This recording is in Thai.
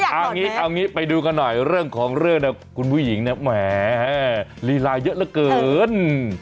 เอาแบบนี้ไปดูกันหน่อยเรื่องของเรื่องคุณผู้หญิงลีลาเยอะเหลือเกิน